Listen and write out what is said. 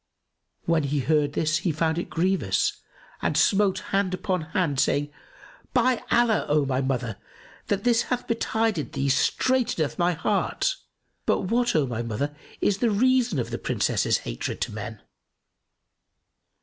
When he heard this, he found it grievous and smote hand upon hand, saying, "By Allah, O my mother, this that hath betided thee straiteneth my heart! But, what, O my mother, is the reason of the Princess's hatred to men?"